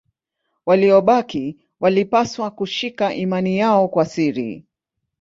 Waliobaki walipaswa kushika imani yao kwa siri.